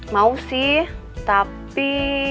mau sih tapi